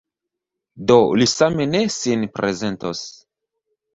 Do li same ne sin prezentos.